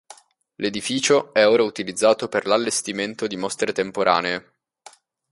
L'edificio è ora utilizzato per l'allestimento di mostre temporanee.